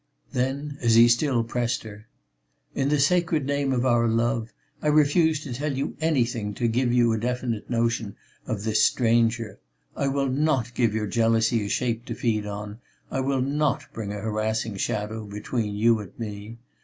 Then, as he still pressed her: "In the sacred name of our love, I refuse to tell you anything to give you a definite notion of this stranger. I will not give your jealousy a shape to feed on; I will not bring a harassing shadow between you and me.